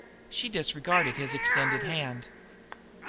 She disregarded his extended hand.